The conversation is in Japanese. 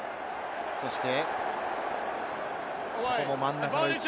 そして、ここも真ん中の位置。